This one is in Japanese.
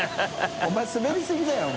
お前滑りすぎだよお前。